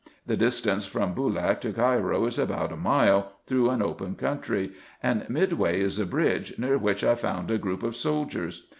The distance from Boolak to Cairo is about a mile, through an open country ; and midway is a bridge, near which I found a group of soldiers.